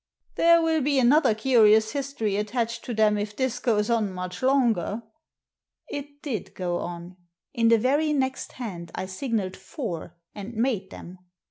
" There will be another curious history attached to them if this goes on much longer." It did go on. In the very next hand I signalled four, and made them.